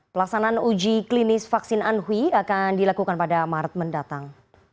pelaksanaan uji klinis vaksin anhui akan dilakukan pada maret mendatang